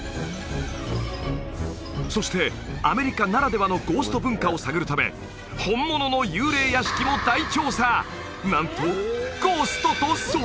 そしてアメリカならではのゴースト文化を探るため本物の幽霊屋敷も大調査！